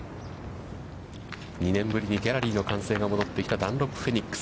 ２年ぶりにギャラリーの歓声が戻ってきたダンロップフェニックス。